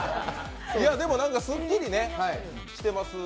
でもすっきりしてます。